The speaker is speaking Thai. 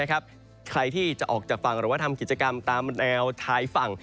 ใครที่จะออกจากฝั่งหรือว่าทำกิจกรรมตามแนวชายฝั่ง